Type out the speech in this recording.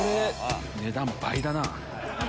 値段倍だな。